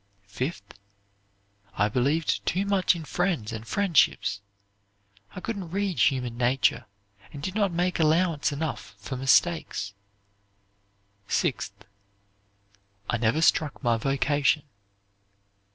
Fifth, "I believed too much in friends and friendships. I couldn't read human nature, and did not make allowance enough for mistakes." Sixth, "I never struck my vocation."